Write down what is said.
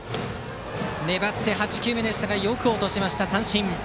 粘って８球目でしたがよく落として、三振。